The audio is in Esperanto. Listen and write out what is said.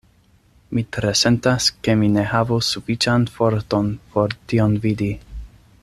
Mi tre sentas, ke mi ne havos sufiĉan forton por tion vidi.